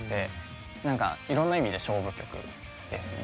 何かいろんな意味で勝負曲ですね。